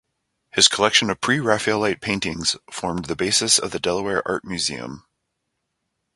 His collection of pre-Raphaelite paintings formed the basis of the Delaware Art Museum.